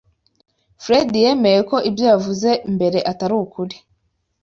Fredy yemeye ko ibyo yavuze mbere atari ukuri.